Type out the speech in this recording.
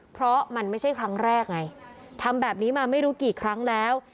เพราะมันไม่ใช่ครั้งแรกไงทำแบบนี้มาไม่รู้กี่ครั้งแล้ว